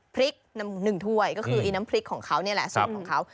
พริกน้ำหนึ่งถ้วยก็คือน้ำพริกของเขานี่แหละสุดของเขา